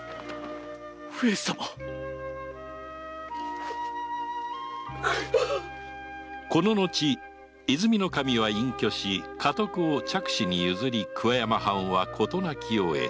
上様‼この後和泉守は隠居し家督を嫡子に譲り桑山藩は事なきを得た